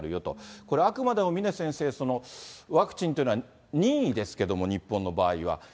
これ、あくまでも峰先生、ワクチンっていうのは、任意ですけども、日本の場合は。